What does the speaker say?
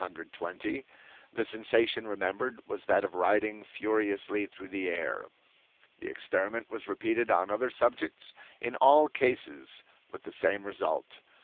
The sensation remembered was that of riding furiously through the air. The experiment was repeated on other subjects, in all cases with the same result.